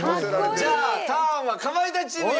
じゃあターンはかまいたちチームに移ります。